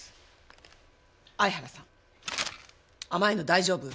相原さん甘いの大丈夫？